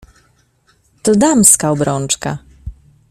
"To damska obrączka!"